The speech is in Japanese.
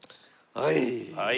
はい。